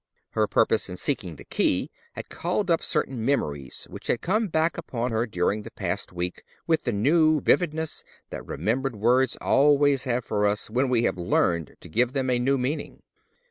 Her purpose in seeking the key had called up certain memories which had come back upon her during the past week with the new vividness that remembered words always have for us when we have learned to give them a new meaning.